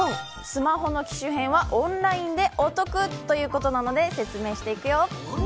スマホの機種変はオンラインでお得ということなんで説明していくよ。